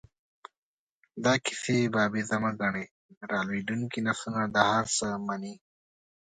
دا کیسې بابیزه مه ګڼئ، را لویېدونکي نسلونه دا هر څه مني.